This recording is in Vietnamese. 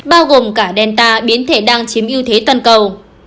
bao gồm cả delta biến thể đang chiếm ưu thế toàn cầu